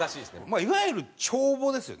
まあいわゆる帳簿ですよね。